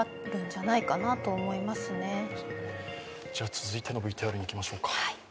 続いてのＶＴＲにいきましょうか。